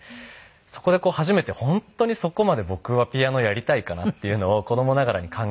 そこで初めて本当にそこまで僕はピアノやりたいかなっていうのを子供ながらに考えて。